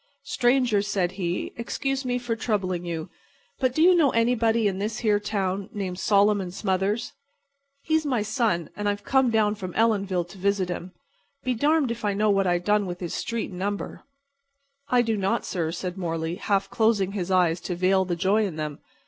"Stranger," said he, "excuse me for troubling you, but do you know anybody in this here town named Solomon Smothers? He's my son, and I've come down from Ellenville to visit him. Be darned if I know what I done with his street and number." "I do not, sir," said Morley, half closing his eyes to veil the joy in them.